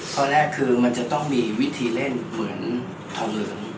ตอนแรกคือมันจะต้องมีวิธีเล่นเหมือนทองเหลือง